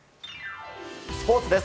スポーツです。